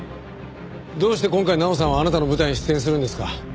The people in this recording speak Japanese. どうして今回奈央さんはあなたの舞台に出演するんですか？